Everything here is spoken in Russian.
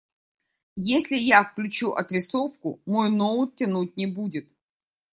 Если я включу отрисовку, мой ноут тянуть не будет.